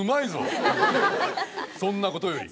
そんなことより。